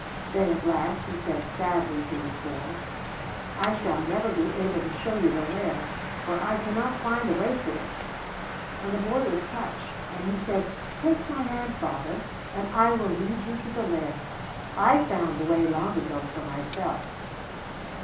Then at last he said sadly to his boy: "I shall never be able to show you the Lair, for I cannot find the way to it." And the boy was touched, and he said: "Take my hand, father, and I will lead you to the Lair; I found the way long ago for myself."